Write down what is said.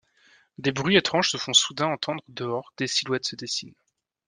Des bruits étranges se font soudain entendre dehors, des silhouettes se dessinent...